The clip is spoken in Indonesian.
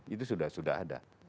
itu sudah ada